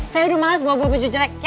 saya udah males bawa bawa baju jelek ya